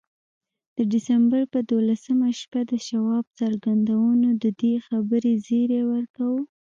د ډسمبر پر دولسمه شپه د شواب څرګندونو د دې خبرې زيري ورکاوه.